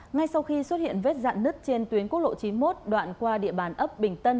ngay sau khi xuất hiện vết dạn nứt trên tuyến quốc lộ chín mươi một đoạn qua địa bàn ấp bình tân